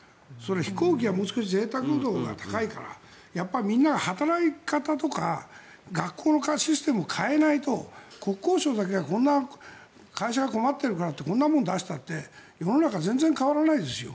飛行機はぜいたく度が高いからみんな、働き方とか学校のシステムを変えないと国交省だけが会社が困っているからってこんなもんを出したって世の中全然変わらないですよ。